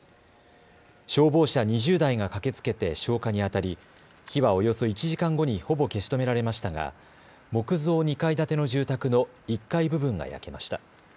消防車２０台が駆けつけて消火にあたり火はおよそ１時間後にほぼ消し止められましたが木造２階建ての住宅の１階部分が焼けました。